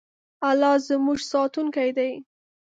الله زموږ ساتونکی دی.